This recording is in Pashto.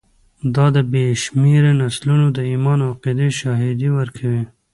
دا د بې شمېره نسلونو د ایمان او عقیدې شاهدي ورکوي.